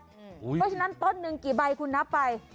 เพราะฉะนั้นต้นหนึ่งกี่ใบคุณนับไป